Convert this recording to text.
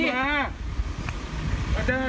ปัญหาอะไรนี่